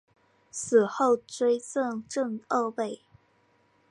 死后追赠正二位。